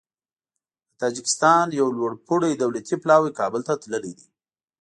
د تاجکستان یو لوړپوړی دولتي پلاوی کابل ته تللی دی.